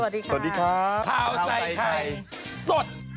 สวัสดีครับสวัสดีครับข่าวใส่ใครก็ได้สด